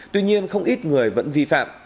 tuy nhiên không ít người vẫn vi phạm